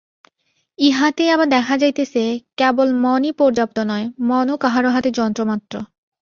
ইহাতেই আবার দেখা যাইতেছে, কেবল মনই পর্যাপ্ত নয়, মনও কাহারও হাতে যন্ত্রমাত্র।